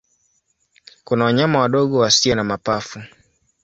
Kuna wanyama wadogo wasio na mapafu.